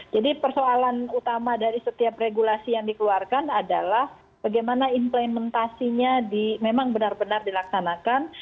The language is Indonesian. jadi persoalan utama dari setiap regulasi yang dikeluarkan adalah bagaimana implementasinya memang benar benar dilaksanakan